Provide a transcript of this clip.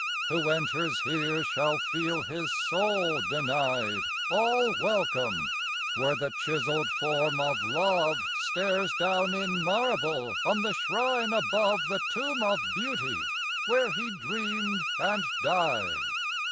Who enters here shall feel his soul denied All welcome; where the chiselled form of Love Stares down in marble on the shrine above The tomb of Beauty where he dreamed and died.